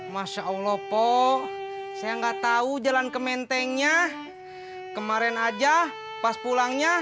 masya allah po saya nggak tahu jalan ke mentengnya kemarin aja pas pulangnya